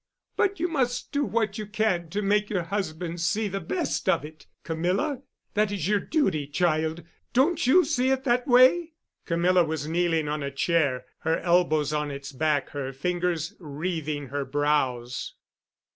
"But you must do what you can to make your husband see the best of it, Camilla. That is your duty, child—don't you see it that way?" Camilla was kneeling on a chair, her elbows on its back, her fingers wreathing her brows.